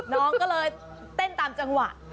น้องก็เลยเต้นตามจังหวะ